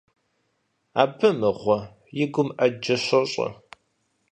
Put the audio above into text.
Абы, мыгъуэ, и гум Ӏэджэ щощӀэ.